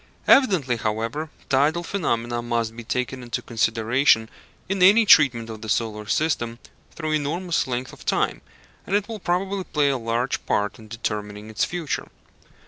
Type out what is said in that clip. Evidently, however, tidal phenomena must be taken into consideration in any treatment of the solar system through enormous length of time, and it will probably play a large part in determining its future.